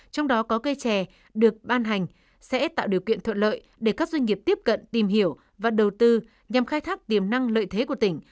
trong đó có cây chè được ban hành sẽ tạo điều kiện thuận lợi để các doanh nghiệp tiếp cận tìm hiểu và đầu tư nhằm khai thác tiềm năng lợi thế của tỉnh